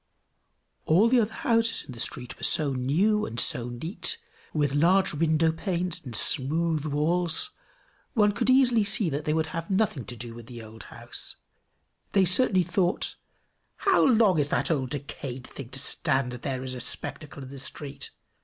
All the other houses in the street were so new and so neat, with large window panes and smooth walls, one could easily see that they would have nothing to do with the old house: they certainly thought, "How long is that old decayed thing to stand here as a spectacle in the street?